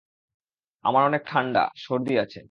আমার অনেক ঠান্ডা, সর্দি আছে।